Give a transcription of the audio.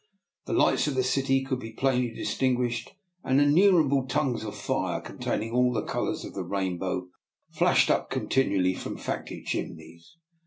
The lights of the city could be plainly distinguished, and innumerable tongues of fire containing all the colours of the rainbow flashed up continu ally from factory chimneys.